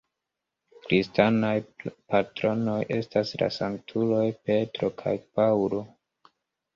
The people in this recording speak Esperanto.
Kristanaj patronoj estas la sanktuloj Petro kaj Paŭlo.